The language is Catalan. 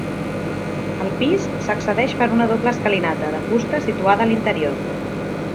Al pis s'accedeix per una doble escalinata de fusta situada a l'interior.